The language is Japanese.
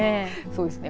そうですね。